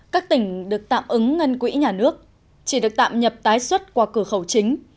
các tỉnh được tạm ứng ngân quỹ nhà nước chỉ được tạm nhập tái xuất qua cửa khẩu chính